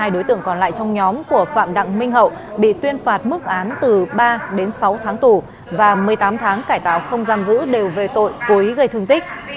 hai mươi đối tượng còn lại trong nhóm của phạm đặng minh hậu bị tuyên phạt mức án từ ba đến sáu tháng tù và một mươi tám tháng cải tạo không giam giữ đều về tội cố ý gây thương tích